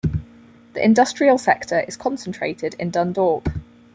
The industrial sector is concentrated in Dundalk.